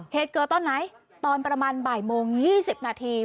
เหตุเกิดตอนไหนตอนประมาณบ่ายโมง๒๐นาที